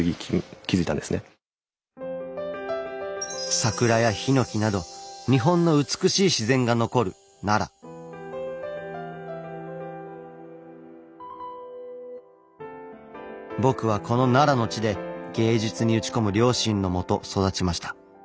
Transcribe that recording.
桜や檜など日本の美しい自然が残る僕はこの奈良の地で芸術に打ち込む両親のもと育ちました。